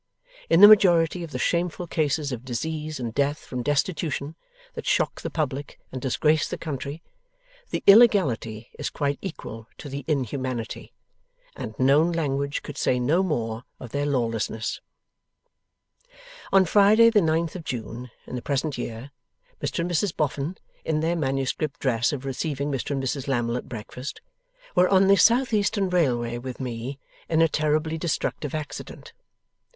In the majority of the shameful cases of disease and death from destitution, that shock the Public and disgrace the country, the illegality is quite equal to the inhumanity and known language could say no more of their lawlessness. On Friday the Ninth of June in the present year, Mr and Mrs Boffin (in their manuscript dress of receiving Mr and Mrs Lammle at breakfast) were on the South Eastern Railway with me, in a terribly destructive accident.